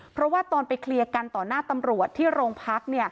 เพราะว่าเมื่อกำลังไปเคลียร์กันต่อกับท่าตำรวจ